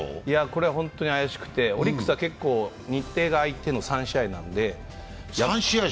これ、ホントに怪しくて、オリックスは日程が開いての３試合なんで。